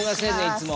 いつも。